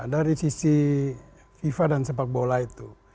dari sisi fifa dan sepak bola itu